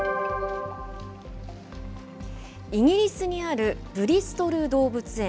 イギリスにあるブリストル動物園。